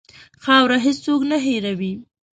خاوره هېڅ څوک نه هېروي.